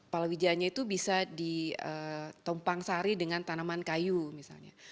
palawijanya itu bisa ditompang sari dengan tanaman kayu misalnya